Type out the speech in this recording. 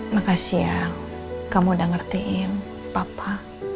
makasih ya kamu udah ngertiin papa